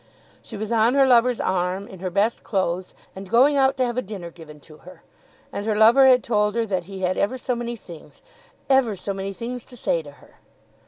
She was on her lover's arm, in her best clothes, and going to have a dinner given to her. And her lover had told her that he had ever so many things, ever so many things to say to her!